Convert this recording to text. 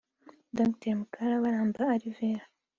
Dr Mukabaramba Alvera